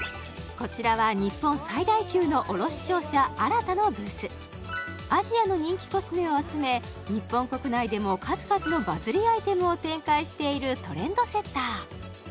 こちらは日本最大級の卸商社あらたのブースアジアの人気コスメを集め日本国内でも数々のバズりアイテムを展開しているトレンドセッター